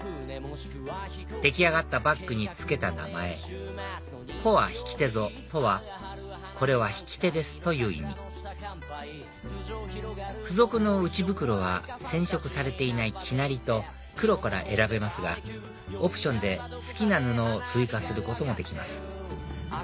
出来上がったバッグに付けた名前「こはひきてぞ」とはこれは引き手ですという意味付属の内袋は染色されていない生成りと黒から選べますがオプションで好きな布を追加することもできます